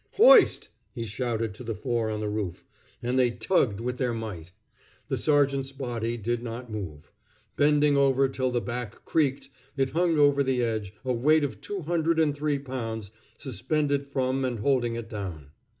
"Hoist!" he shouted to the four on the roof; and they tugged with their might. The sergeant's body did not move. Bending over till the back creaked, it hung over the edge, a weight of two hundred and three pounds suspended from and holding it down.